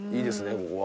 ここは。